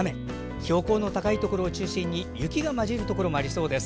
標高の高いところを中心に雪が混じるところもありそうです。